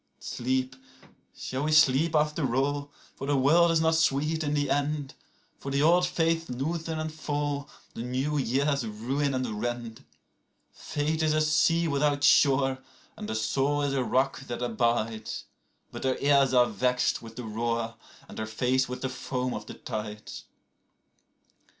39Sleep, shall we sleep after all? for the world is not sweet in the end;40For the old faiths loosen and fall, the new years ruin and rend.41Fate is a sea without shore, and the soul is a rock that abides;42But her ears are vexed with the roar and her face with the foam of the tides.